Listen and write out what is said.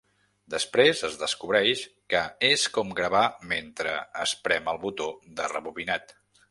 Després es descobreix que és com gravar mentre es prem el botó de rebobinat.